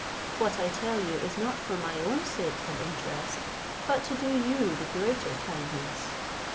What I tell you is not for my own sake and interest, but to do you the greater kindness.